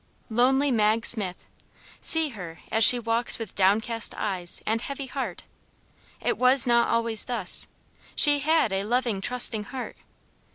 LONELY MAG SMITH! See her as she walks with downcast eyes and heavy heart. It was not always thus. She HAD a loving, trusting heart.